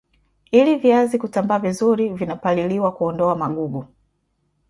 ili viazi kutambaa vizuri vinapaliliwa kuondoa magugu